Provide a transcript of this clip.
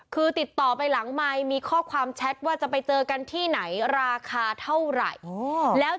คือติดต่อไปหลังไมค์มีข้อความแชทว่าจะไปเจอกันที่ไหนราคาเท่าไหร่